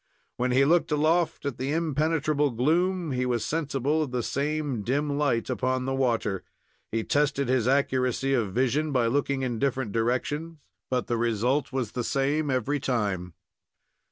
When he looked aloft at the impenetrable gloom, he was sensible of the same dim light upon the water. He tested his accuracy of vision by looking in different directions, but the result was the same every time.